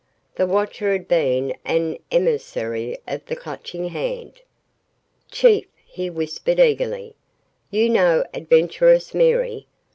The watcher had been an emissary of the Clutching Hand. "Chief," he whispered eagerly, "You know Adventuress Mary?